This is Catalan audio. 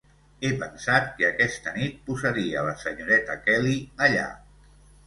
He pensat que aquesta nit posaria la senyoreta Kelly allà.